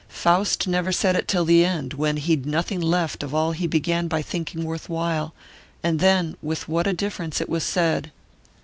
Faust never said it till the end, when he'd nothing left of all he began by thinking worth while; and then, with what a difference it was said!"